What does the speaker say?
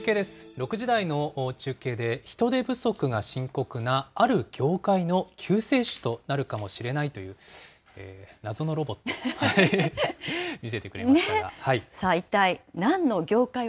６時台の中継で人手不足が深刻なある業界の救世主となるかもしれないという、謎のロボット、見せてくれましたが。